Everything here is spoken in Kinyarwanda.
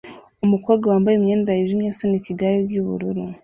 Umukobwa wambaye imyenda yijimye asunika igare ryubururu